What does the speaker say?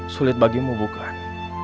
sulit bagimu bukan